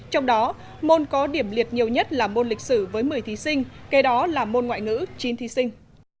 trong đó môn có điểm liệt nhiều nhất là môn lịch sử với một mươi thí sinh kế đó là môn ngoại ngữ chín thí sinh